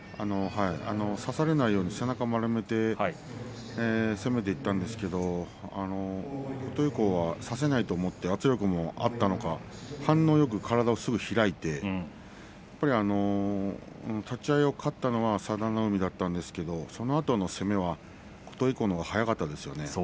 差されないように背中を丸めて攻めていったんですけれど琴恵光は差せないと思って圧力もあったのか反応よく体をすぐに開いて立ち合いよかったのは佐田の海だったんですけれどそのあとの攻めは琴恵光のほうが早かったですよね。